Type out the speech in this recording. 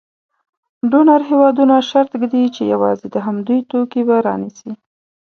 ډونر هېوادونه شرط ږدي چې یوازې د همدوی توکي به رانیسي.